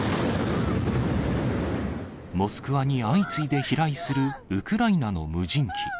モスクワに相次いで飛来するウクライナの無人機。